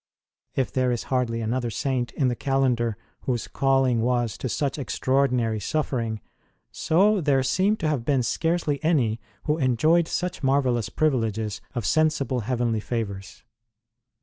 If there is hardly another Saint in the calendar whose calling was to such extraordinary suffering, so their seem to have been scarcely any who enjoyed such marvellous privileges of sensible heavenly favours.